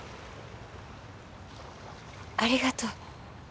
ありがとう